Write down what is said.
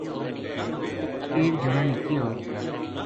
ایک جنا نے کہیو